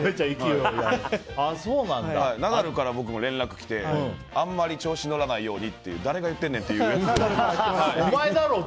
ナダルから僕も連絡が来てあまり調子に乗らないようにって誰が言ってんねんっていう。